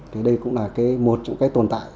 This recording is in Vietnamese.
thì đây cũng là một trong các tồn tại